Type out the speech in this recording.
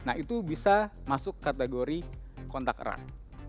nah itu bisa masuk kategori kontak erat